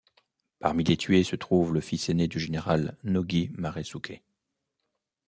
Parmi les tués se trouvent le fils aîné du général Nogi Maresuke.